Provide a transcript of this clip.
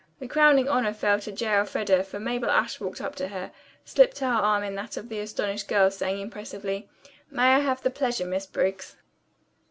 The crowning honor fell to J. Elfreda, for Mabel Ashe walked up to her, slipped her arm in that of the astonished girl, saying impressively, "May I have the pleasure, Miss Briggs?"